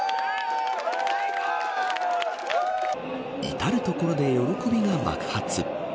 至る所で喜びが爆発。